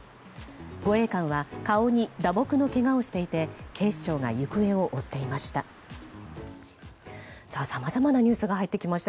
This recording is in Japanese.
護衛官は顔に打撲のけがをしていて警視庁が行方を追っていました。